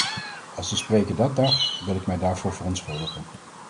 Als de spreker dat dacht, wil ik mij daarvoor verontschuldigen.